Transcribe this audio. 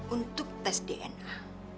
untuk tes dna